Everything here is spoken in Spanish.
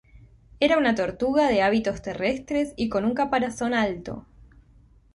Era una tortuga de hábitos terrestres y con un caparazón alto.